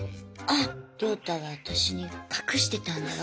あっ亮太が私に隠してたんだわ